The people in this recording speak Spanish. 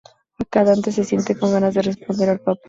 Acá Dante se siente con ganas de responderle al Papa.